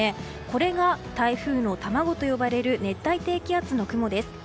これが台風の卵と呼ばれる熱帯低気圧の雲です。